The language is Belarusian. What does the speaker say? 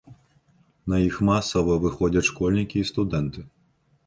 На іх масава выходзяць школьнікі і студэнты.